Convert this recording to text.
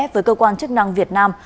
với cơ quan chức năng việt nam